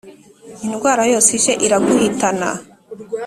indwara yose ije iraguhitana